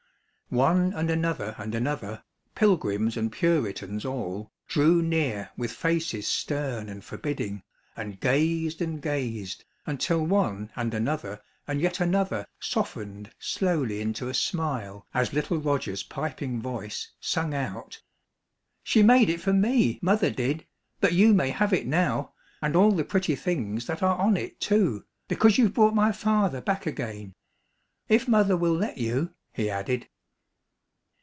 One and another and another, Pilgrims and Puritans all, drew near with faces stern and forbidding, and gazed and gazed, until one and another and yet another softened slowly into a smile as little Roger's piping voice sung out: "She made it for me, mother did. But you may have it now, and all the pretty things that are on it, too, because you've brought my father back again; if mother will let you," he added.